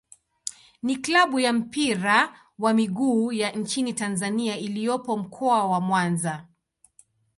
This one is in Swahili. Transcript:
ni klabu ya mpira wa miguu ya nchini Tanzania iliyopo Mkoa wa Mwanza.